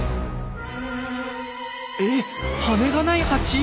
えっ羽が無いハチ！